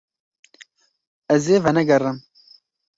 Ez ê venegerim.